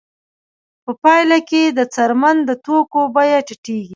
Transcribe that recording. په پایله کې د څرمن د توکو بیه ټیټېږي